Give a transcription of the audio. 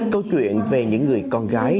câu chuyện về những người con gái